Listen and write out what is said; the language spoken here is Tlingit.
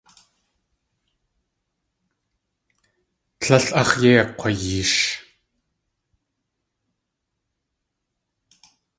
Tlél áx̲ yei akg̲wayeesh.